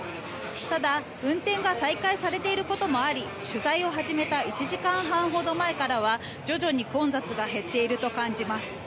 ただ、運転が再開されていることもあり取材を始めた１時間半ほど前からは徐々に混雑が減っていると感じます。